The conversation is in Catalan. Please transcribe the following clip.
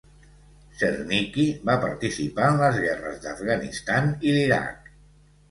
"Czernicki" va participar en les guerres d'Afganistan i l'Iraq.